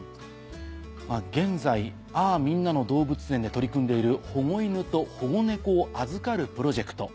現在『嗚呼‼みんなの動物園』で取り組んでいる保護犬と保護猫を預かるプロジェクト。